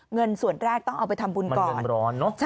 เงินส่วนแรกต้องเอาไปทำบุญก่อน